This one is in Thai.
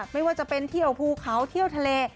ไม่ว่าจะเป็นเที่ยวภูเขาเที่ยวทะเล